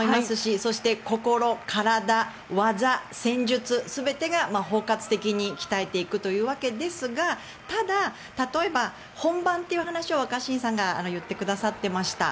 そして、心、体、技、戦術全てが包括的に鍛えていくというわけですがただ、例えば本番という話を若新さんが言ってくださっていました。